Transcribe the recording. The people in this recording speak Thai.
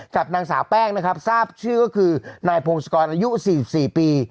กับนางสาวแป้งนะครับทราบชื่อก็คือนายพงศกรอายุ๔๔ปี